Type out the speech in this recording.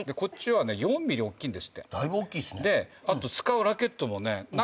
あと使うラケットもね